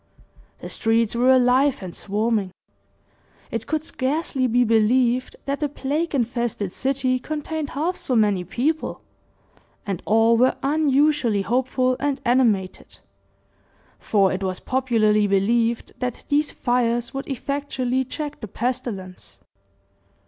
The streets were alive and swarming it could scarcely be believed that the plague infested city contained half so many people, and all were unusually hopeful and animated; for it was popularly believed that these fires would effectually check the pestilence.